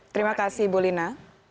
terima kasih ibu lina